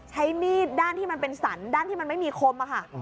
ใช้มีดด้านที่มันเป็นสันด้านที่มันไม่มีคมอะค่ะ